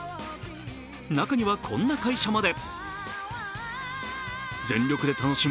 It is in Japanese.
中にはこんな会社まで。